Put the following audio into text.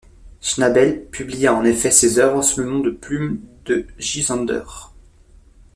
Schnabel publia en effet ses œuvres sous le nom de plume de Gisander.